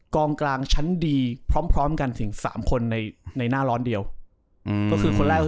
กองกลางขั้นดีพร้อมกันถึงสามคนในในหน้าร้อนเดียวอืมโอ้คือคนแรก